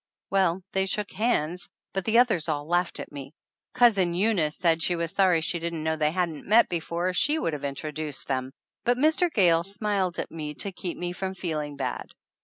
Well, they shook hands, but the others all laughed at me. Cousin Eunice said she was sorry she didn't know they hadn't met before, or she would have introduced them. But Mr. Gayle smiled at me to keep me from feeling bad.